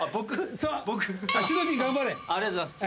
ありがとうございます。